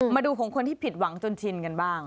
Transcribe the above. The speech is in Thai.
มาดูของคนที่ผิดหวังจนชินกันบ้าง